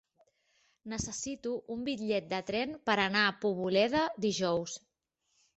Necessito un bitllet de tren per anar a Poboleda dijous.